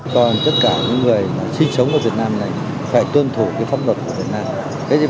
còn tất cả những người sinh sống ở việt nam này phải tuân thủ cái pháp luật của việt nam